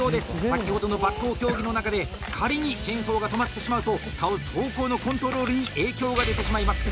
先ほどの伐倒競技の中で仮にチェーンソーが止まってしまうと倒す方向のコントロールに影響が出てしまいます。